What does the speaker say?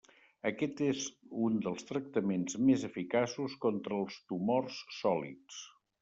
Aquest és un dels tractaments més eficaços contra els tumors sòlids.